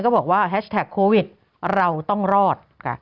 บอกว่าแฮชแท็กโควิดเราต้องรอด